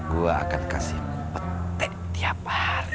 gue akan kasih petek tiap hari